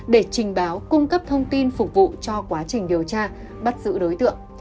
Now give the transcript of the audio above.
để trình báo cung cấp thông tin phục vụ cho quá trình điều tra bắt giữ đối tượng